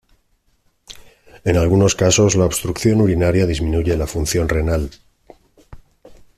En algunos casos la obstrucción urinaria disminuye la función renal.